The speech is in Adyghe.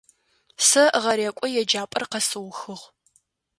Сэ гъэрекӏо еджапӏэр къэсыухыгъ.